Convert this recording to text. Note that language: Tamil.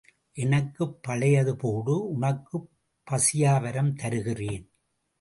எனக்குப் பழையது போடு உனக்குப் பசியா வரம் தருகிறேன்.